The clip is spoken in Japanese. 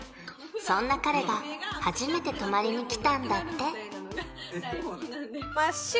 そんな彼が初めて泊まりに来たんだって！